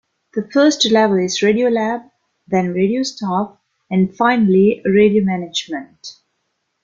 The first level is radio lab, then radio staff, and finally radio management.